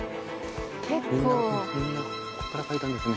みんなここから描いたんですね。